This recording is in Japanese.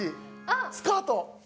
スカート。